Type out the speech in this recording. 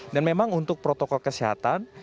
dan memang untuk protokol kesehatan